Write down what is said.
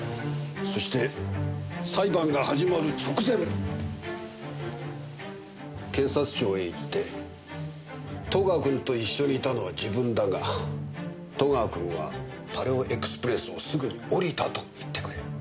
そして裁判が始まる直前検察庁へ行って戸川君と一緒にいたのは自分だが戸川君はパレオエクスプレスをすぐに降りたと言ってくれ。